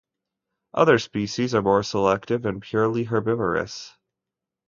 Other species are more selective and purely herbivorous.